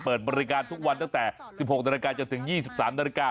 เปิดบริการทุกวันออกแต่๑๖นจนถึง๒๓น